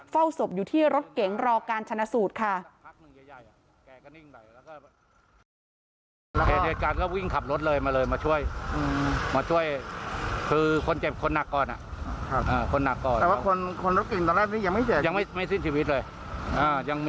เฝ้าศพอยู่ที่รถเก๋งรอการชนะสูตรค่ะ